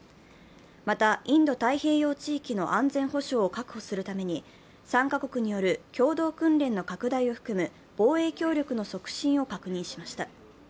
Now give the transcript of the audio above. また、インド太平洋地域の安全保障を確保するために３カ国による共同訓練の拡大を含む防衛協力の促進を確認しました。